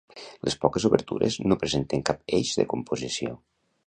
Les poques obertures no presenten cap eix de composició.